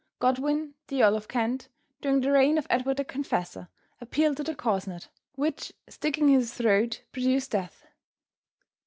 Godwin, the Earl of Kent, during the reign of Edward the Confessor, appealed to the corsned, which sticking in his throat, produced death.